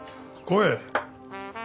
声？